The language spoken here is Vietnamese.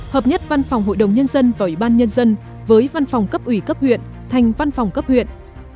hợp nhất văn phòng hội đồng nhân dân và ủy ban nhân dân với văn phòng cấp ủy cấp huyện thành văn phòng cấp huyện